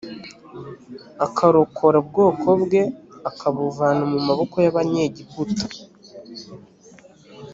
akarokora ubwoko bwe akabuvana mu maboko y abanyegiputa